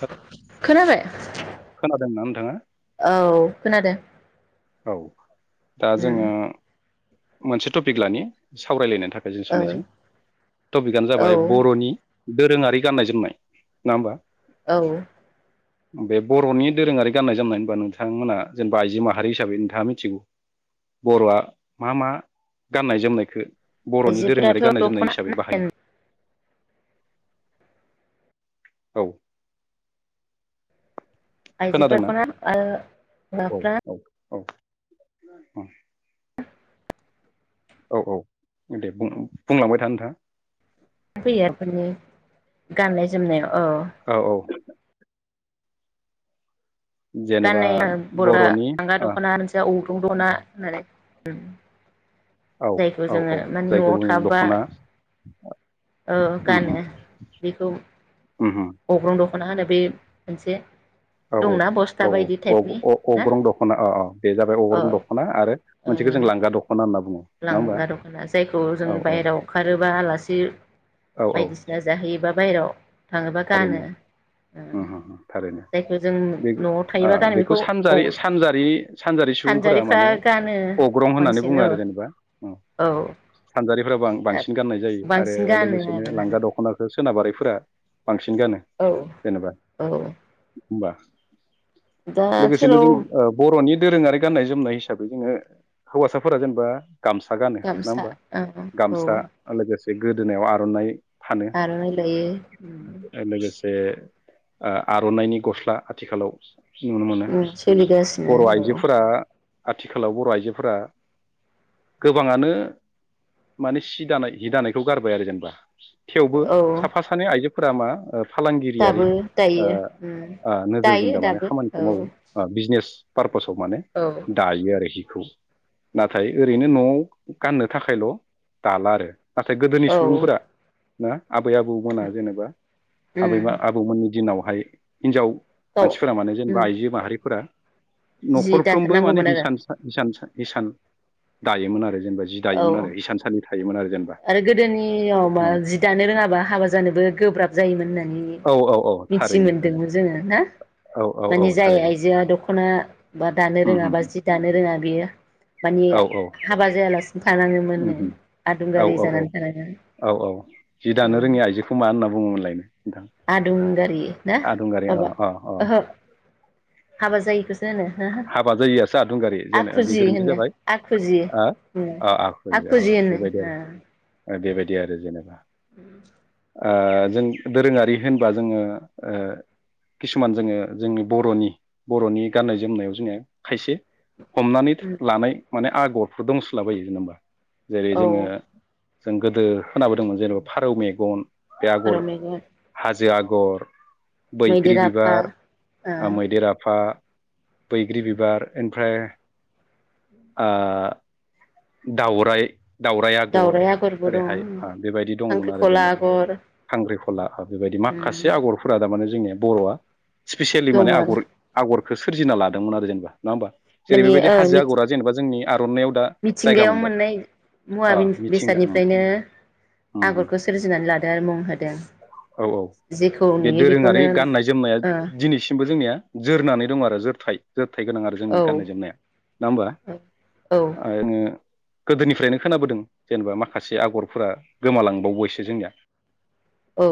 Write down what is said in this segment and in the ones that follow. हेल' खोनाबाय खोनादोंना नोंथाङा [inaudible] औ खोनादो। औ दा जोङो मोनसे टपिक लानि सावरायलायनो थाखाय जों औ सानायजों, टपिकआनो औ जाबाय बर'नि दोरोङारि गाननाय जोमनाय, नोङा होमबा? औ बे बर'नि दोरोङारि गाननाय जोमनायबा नोंथांमोना जेनेबा आइजो माहारि हिसाबै नोंथाङा मिथिगौ। बर'आ मा मा गाननाय जोमनायखो बर'नि दोरोङारि आइजोफोराथ' गाननाय जोमनाय दख'ना हिसाबै ना बाहायो? औ खोनादोंना आइजोफोरखौना ओ औ औ माफ्रा औ [inaudible] अ औ औ दे बुं बुंलांबाय था नोंथाङा। फैयाफोरनि गाननाय जोमनायाव औ औ जेनेबा गाननाय बर'फ्रा बर'नि लांगा ओ दख'ना मोनसेआ अग्रन दख'ना होननानै [unintelligible] औ जायखौ औ जोङो औ माने जायखौ न'आव बुङो थाबा दख'ना ओ गानो ओहोम बेखौ ओहोम अग्रं दख'ना होनो बे मोनसे औ दंना बस्था औ बायदि औ टाइपनि औ अग्र ना अग्रं दख'ना औ औ बे जाबाय औ अग्रं दख'ना आरो ओ मोनसेखौ जों लांगा दख'ना होनना बुङो नङा होमबा लांगा द'खना जायखौ जों औ औ बायहेरायाव ओंखारोबा आलासि औ औ बायदिसिना जाहैयोबा बाहेराव थारैनो ओम हो हो थारैनो जायखौ जों बेख न'आव ओ थायोबा गानो बेखौ औ सानजारि सानजारि सानजारि सुबुंफोरा सानजारिफ्रा माने गानो अग्रं होननानै बांसिन बुङो औ आरो जेनेबा औ सानजारि फोराबो बां बांसिन गाननाय जायो आरो बांसिन गानो लोगोसेनो आरोना लांगा दख'नाखो सोनाबारिफोरा बांसिन गानो औ जेनेबा औ होनबा दा लोगोसेनो आथिखालाव जों ओ बर'नि दोरोङारि गाननाय जोमनाय हिसाबै जोङो हौवासाफोरा जेनेबा गामसा गानो नङा गामसा होमबा औ गामसा लोगोसे बे गोदोनायाव आर'नाइ आर'नाइ लायो [unintelligible] जे आ-आरनाइनि गस्ला आथिखालाव नुनो मोनो सोलिगासिनो बर' औ आइजोफोरा आथिखालाव बर' आइजोफोरा गोबाङानो माने सि दानाय हि दानायखौ गारबाय आरो जेनेबा। थेवबो औ साफा सानै आइजो फोरामा ओ फालांगिरियारि दाबो ओ दायो आ नोजोरजों दायो थारमाने दाबो खामानिखौ मावो औ ओ बिजनेस। [unintelligible] माने दायो आरोखि। खौ नाथाय ओरैनो न'आव गाननो थाखायल' दाला आरो। नाथाय गोदोनि औ सुबुंफोरा ना आबै आबौमोना जेनेबा आबै मा आबौमोननि दि दिनावहाय हिनजाव गाव मानसिफोरा माने जेनेबा आइजो माहारिफोरा जि न'खरफ्रोमबो माने दाथारनांगौमोन आरो हिसानसा हिसानसा हिसान दायोमोन आरो जेनेबा जि औ दायोमोन आरो हिसानसालि थायोमोन आरो जेनेबा आरो गोदोनियाव मा औ जि दानो रोङाबा हाबा जानोबो गोब्राब जायोमोन नो। [unintelligible] औ औ औ मिथि थारैनो थारैनो मोनदोंमोन जोङो ना औ औ माने औ जाय थारैनो आइजोआ दख'ना बा दानो उम रोङा बा उम जि दानो रोङा गैया। माने औ औ हाबा जायालासे उम उम औ औ औ थानाङो औ औ जि दानो रोङि आइजोखौ मा होनना बुङोमोनलाय? आदुं गारि ना? आदुंगारि अ माबा अ अ ओहो। हाबा जायिखोसो होनो होहो हाबा जायियासो आदुंगारि जेन बे आखुजि गोरोन्थि होनो जाबाय आखुजि आ उम आ आखु आखुजि होनो ओ। दि आरो जेनेबा। उम। ओ जों दोरोङारि होनबा जोङो ओ किसुमान जोङो जोंनि बर'नि बर'नि गाननाय जोमनायाव जोङो खायसे हमनानै ओ लानाय माने आगरफोर दंस्लाबायो जेनबा। जेरै औ जोङो जों गोदो खोनाबोदोंमोन जेनेबा फारौ मेगन बे फारौ आगर मेगन हाजो आ गर बैग्रि मैदेर आफा बिबार ओ आ मैदेर आफा बैग्रि बिबार ओमफ्राय आ दाउराय दावराय आगर दावराइ आगरबो ओरैहाय दं आ बेबायदि दङ'मोन आरो खांख्रिखला जेनेबा। आगर खांग्रिफला बेबायदि उम माखासे आगरफोरा थारमाने जोंनिया बर'आ स्पिसियेलि माने दङ आरो आगर आगर [unintelligible] सोरजिना लादोंमोन आरो जेनेबा। नङा होमबा? जेरै माने बेबायदि ओ हाजो आगरा जेनेबा जोंनि आर'नायाव दा जायगा मिथिंगायाव मोनबाय मोननाय मुवा अ मिथिंगा ओम बेसादनिफ्रायनो ओम आगरखौ सोरजिनानै लादों आरो मुं होदों औ औ जेखौ बे नुयो दोरोङारि बेखौनो गाननाय जोमनाया ओ दिनैसिमबो जोंनिया जोरनानै दं आरो जोरथाय जोरथाय गोनां आरो जोंनि गाननाय औ जोमनाया नङा हबा औ आङो गोदोनिफ्रायनो खोनाबोदों जेनेबा माखासे आगरफोरा गोमालांबावबायसो जोंनिया औ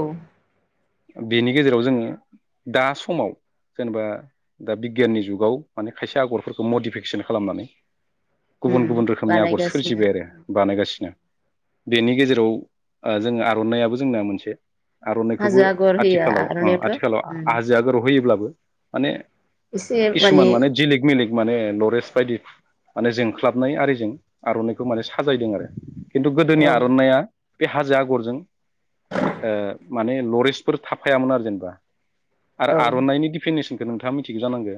बिनि गेजेराव जोङो दा समाव जेनेबा दा बिगियाननि जुगाव माने खायसे आगरफोरखौ मडिफिकेसन खालामनानै उम गुबुन गुबुन रोखा नि आगर बानायगासिनो सोरजिबाय आरो बानागोनन बेनि गेजेराव ओ जोङो आरनानायइाबो जोंना मोनसे आरनाइखौबो हाजो आगर होयो आथिखालाव ओ आर'नायावथ' आथिखालाव उम आजो आगोराव होयोब्लाबो माने केसुमान माने जिलिक मिलिग माने लरेस बायदि माने जोंख्लाबनाय आरिजों आरनाइखौ माने साजायदों आरो खिन्थु औ गोदोनि आरनाइया बे हाजो आगरजों ओ माने लरेस्टफोर थाफायामोन आरो जेनेबा आरो औ आरनाइनि डिफिनेसनखौ नोंथाङा मिथिगौ जानांगो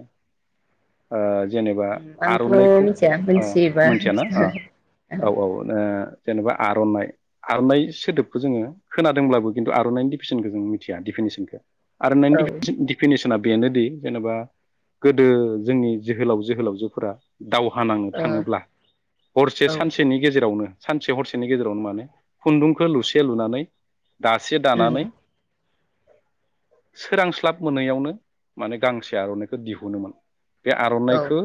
ओ जेनेबा आंथ आर'नाइखौ मिथिया अ मिथियोबा मोनथियाना अ खिथा औ औ ओ जेनेबा आरनाइ आरनाइ सोदोबखौ जोङो खोनादोंब्लाबो खिन्थु आरनाइ डिफिसनखौ जों मिथिया डिफिनेसनखौ आरननायनि औ ओ देफिनेसन बेनोदि जेनेबा गोदो जोंनि जोहोलाव जोहोलावजोफोरा दावहा नांनो थाङोब्ला हरसे औ सानसेनि गेजेराव सानसे हरसेनि गेजेरावनो माने खुन्दुंखौ लुसे लुनानै दासे उम दानानै सोरांस्लाब मोनैयावनो माने गांसे आर'नाइखौ दिहुनोमोन। बे औ आर'नाइखौ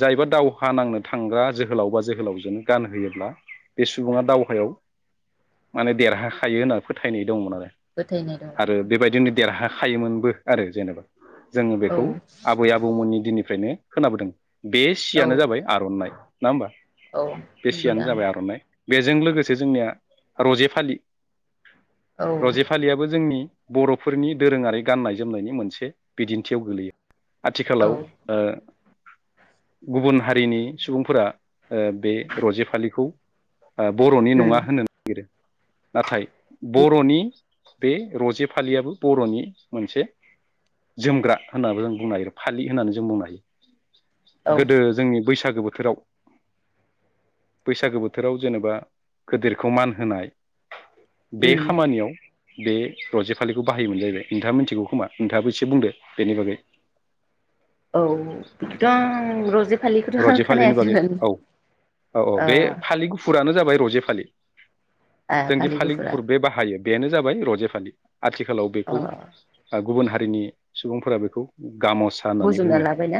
जायबा दावहा नांनो थांग्रा जोहो जोहोलाव बा जोहोलावजोनो गानहोयोब्ला बे सुबुङा दावहायाव माने देरहाखायो होनना फोथायनाय दंमोन आरो। फोथायनाय दं आरो बेबायदिनो देरहा हायोमोनबो आरो जेनेबा। जोङो औ बेखौ आबै आबौमोननि दिनि फ्रायनो खोनाबोदों। बे सि औ यानो जाबाय आर'नाइ। ना ओमबा? औ बे सियानो नंगौदां जाबाय आर'नाइ। बेजों लोगोसे जोंनिया रजे फालि औ रजे फालियाबो जोंनि बर'फोरनि दोरोङारि गाननाय जोमनायनि मोनसे बिदिन्थियाव गोलैयो। औ आथिखालाव ओ गुबुन हारिनि सुबुंफोरा ओ बे रजे फालिखौ ओ बर'नि उम नङा होननो नागिरो नाथाय बर'नि बे रजे फालियाबो बर'नि मोनसे जोमग्रा होननाबो जों बुंनो हायो फालि होननानै जों बुंनो हायो। औ गोदो जोंनि बैसाग बैसागो बोथोराव बैसागो बोथोराव जेनेबा गोदोरखौ मान होनाय बे उम खामानियाव बे रजे फालिखौ बाहायोमोन जाहैबाय नोंथाङा मिथिगौ खोमा नोंथाङाबो इसे बुंदो बेनि बागै। औ बिदिथ' आं रजेफ रजे फालिनि बागै औ औ औ ओ बे फालि गुफुरानो जाब बाय रजे फालि। ओ जोंदि फालि गुफुरा फालिगुफुर बे बाहायो बेनो जाबाय रजे फालि। आथिखालाव अ बेखौ ओ गुबुन हारिनि सुबुंफोरा बेखौ गाम'सा होननानै बजबना बुङो लाबायना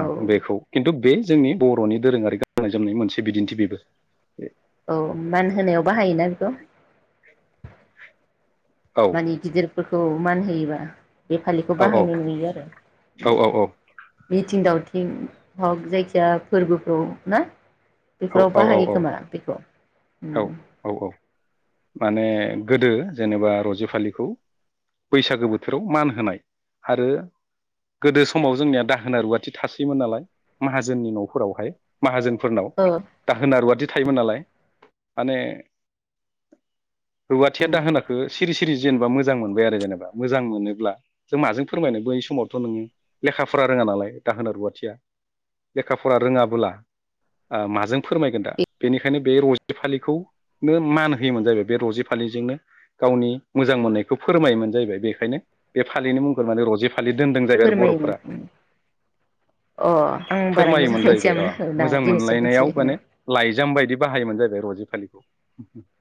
औ बेखौ। बे जोंनि बर'नि दोरोङारि गाननाय जोमनाय मोनसे बिदिन्थि बेबो औ मान होनायाव बाहायोना बेखौ औ मानि गिदिर फोरखौ मान होयोबा बे फालिखौ औ बाहायनाय नुयो आरो औ औ मिथिं दाव जिं हग जायखिजाया फोरबोफ्राव ना? औ बेफोराव औ बाहायो औ खोमा बेखौ उम औ औ माने गोदो जेनेबा रजे फालिखौ बैसागो बोथोराव मान होनाय आरो गोदो समाव जोंनिया दाहोना रुवाथि थासोयोमोन नालाय माहाजोननि नफोरावहाय माहाजोन फोरनाव ओ दाहोना रुवादथि थायोमोन नालाय माने रुवाथिया दाहोनाखौ सिरि सिरि जेनेबा मोजां मोनबाय आरो जेनेबा मोजां मोनोब्ला जों माजों फोरमायनो बै समावथ नों लेखा फरा रोंङा नालाय दाहोना रुवाथिया लेखा फरा रोंङाबोला ओ माजों फोरमायगोन दा बे बेनिखायनो बे रजे बे फालिखौ नो मान होयोमोन जाहैबाय बे रजे फालिजोंनो गावनि मोजां मोननायखौ फोरमायोमोन जाहैबाय बेखायनो बे फालिनि मुंखौनो माने रजे फा फालि दोनदों जाहैबाय आरो बरफोरा [inaudible] फोरमायोमोन अ आं बारा मोजां फोरमायोमोन जाहैबाय मिथियामोन अ आरो दा मोजां दिनैसो मोनलायनायाव मिथियो माने लाइजाम बायदि बाहायोमोन जाहैबाय रजे फालिखौ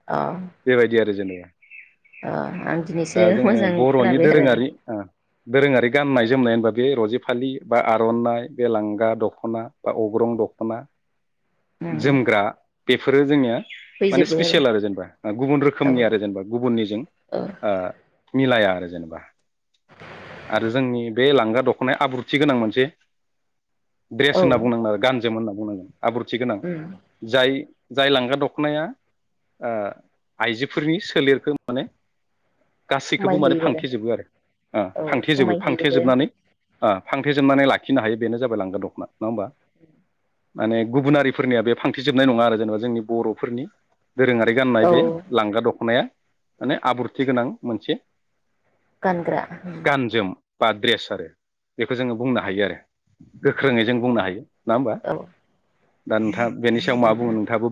अ बेबायदि आरो जेनेबा अ आं दिनैसो दा जोंङो मोजां बरनि खोनाबाय आरो दोरोंङारि ओ दोरोंङारि गाननाय जोमनाय होनबा बे रजेफालि बा आरनाइ बे लांगा दखना बा अग्रं दखना उम जोमग्रा बेफोर फोरो जोंङो माने फैजोबो स्पिसियेल आरो जेनेबा गुबुन रोखोमनि आरो जेनेबा गुबुननिजों औ ओ मिलाया आरो जेनेबा आरो जोंनि बे लांगा दखनाया आब्रुथि गोनां मोनसे ड्रेस औ औ होनना बुंनांगोन आरो गानजोम होन बुंनांगोन आब्रुथि गोनां उम जाय जाय लांगा दखनाया ओ आइजोफोरनि सोलेरखो माने गासैखौबो समाय माने होयो फांथेजोबो आरो ओ आरो औ फांथेजोबो समाय होयोबो फांथेजोबनानै ओ फांथेजोबनानै लाखिनो हायो बेनो जाबाय लांगा दखना नंङा होमबा माने गुबुन हारिफोरनिया बे फांथेेजोबनाय नंङा आरो जेनेबा जोंनि बरफोरनि दोरोंङारि गाननाय औ बे लांगा दखनाया माने आब्रुथि गोनां मोनसे गानग्रा उम गानजोम बा ड्रेस आरो बेखौ जोंङो बुंनो हायो आरो गोख्रोङै जों बुंनो हायो। नंङा होनबा औ दा नोथां बेनि सायाव मा बुंनो नों नोंथाङाबो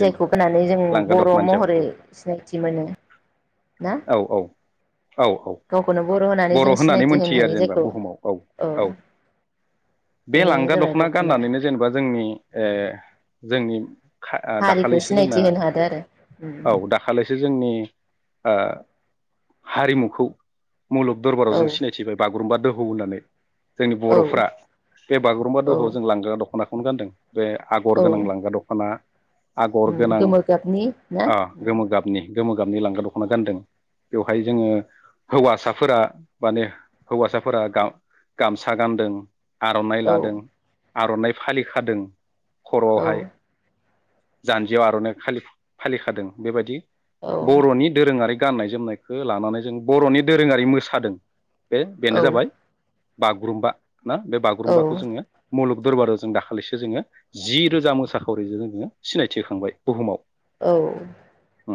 जायखौ होनानै जों बर' दख'नानि सायाव महरै औ सिनायथि मोनो ना औ औ औ गावखौनो होननानै बर जों होननानै सिनायथि होनो मोनथियो आरो हायो जेनेबा जायखौ बुहुमाव औ औ। बे बेनो लांगा जाबाय दखना गाननानैनो जेनेबा जोंनि ए जोंनि खा हारिखौ दाखालिसो जोंना सिनायथि होनो हादों आरो उम औ दाखालिसो जोंनि ओ हारिमुखौ मुलुग दरबाराव औ जों सिनायथिबाय बाग गुरुमबा दोहौ होनानै। जोंनि औ बर'फ्रा बे बागुरुम्बा दोहौआव जों औ लांगा दख'ना खौनो गान्दों। बे आगर गोनां औ लांगा दख'ना आगर उम गोनां गोमो गाबनि ना आ गोमो गाबनि। गोमो गाबनि लांगा दख'ना गानदों। बेवहाय जोङो हौवासाफोरा माने हौवासाफोरा गा-गामसा गानदों। आर'नाइ औ लादों। आर'नाइ फालि खादों। औ खर'आवहाय जानजियाव आर'नाइ फालि फालिखादों बेबादि औ बर'नि दोरोङारि गाननाय जोमनायखो लानानै जों बर'नि दोरोङारि मोसादों। बे बेनो औ जाबाय बागुरुम्बा ना बे औ बागुरुम्बाखौ जोङो मुलुग दरबाराव जों दाखालिसो जोङो जि रोजा मोसाखावरिजो जों ङो सिनायथि होखांबाय बुहुमाव। औ अ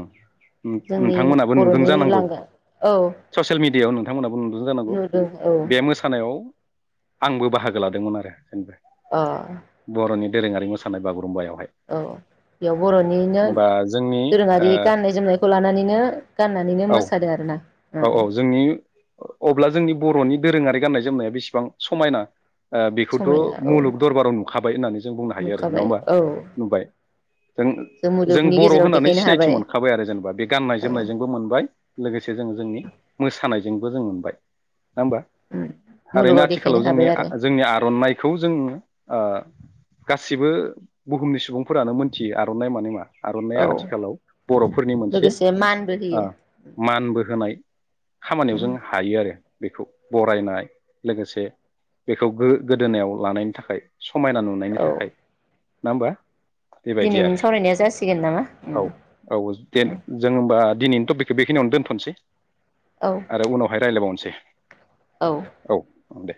उम जोंनि नोंथांमोनाबो नुदों बर'नि जानांगौ लांगा औ ससियेल मिडियायाव नों थां मोनाबो नु दों जानांगौ नुदों औ बे मोसानायाव आंबो बाहागो लादोंमोन आरो जेनेबा अ। बर'नि दोरोङारि मोसानाय बागुरुम्बायावहाय। औ बेयाव बर'निनो होमबा जोंनि दोरोङारि ओ गाननाय जोमनायखौ लानानैनो गाननानैनो औ मोसादों आरो ना? औ औ जोंनि अब्ला जोंनि बर'नि दोरोङारि गाननाय जोमनाया बेसेबां समायना आ बेखौथ' समायना औ मुलुग दरबाराव नुखाबाय होननानै जों बुंनो हायो आरो नङा नुखाबाय होमबा? औ नुबाय जों जों मुलुगनि बर' गेजेराव होननानै देखायनो सिनायथि हाबाय मोनखाबाय आरो जेनेबा बे गाननाय औ जोमनायजोंबो मोनबाय लोगोसे नि मोसानायजोंबो जों मोनबाय। नङा होमबा? उम थारैनो मुलुगाव देखायनो आथिखालाव हाबाय जोंनि आं आरो जोंनि आरनाइखौ जोंनो ओ गासिबो बुहुमनि सुबुंफोरानो मोनथियो आरनाइ माने मा। औ आरनाइया आथिखालाव बरफोरनि मोनसे लोगोसे मानबो आ होयो मानबो होनाय खामानियाव जों हायो आरो। बेखौ बरायनाय लोगोसे बेखौ गो-गोदोनायाव लानायनि थाखाय। समायना नुनायनि औ थाखाय। ना होनबा? बेबायदि दिनैनि आरो। सावरायनाया जासिगोन नामा उम औ औ जेन जों होमबा दिनैनि तपिक बेखनियावनो दोनथसै औ आरो उनावहाय रायलायबावनस [inaudible] औ। ओं दे।